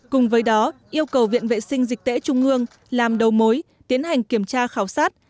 cùng với đó yêu cầu viện vệ sinh dịch tễ trung ương làm đầu mối tiến hành kiểm tra khảo sát